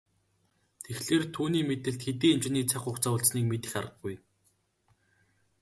Тэгэхлээр түүний мэдэлд хэдий хэмжээний цаг хугацаа үлдсэнийг мэдэх аргагүй.